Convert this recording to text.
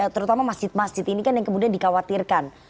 terutama masjid masjid ini kan yang kemudian dikhawatirkan